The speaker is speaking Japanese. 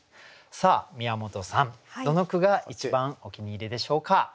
さあ宮本さんどの句が一番お気に入りでしょうか。